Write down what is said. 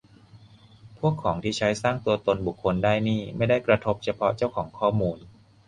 พวกของที่ใช้สร้างตัวตนบุคคลได้นี่ไม่ได้กระทบเฉพาะเจ้าของข้อมูล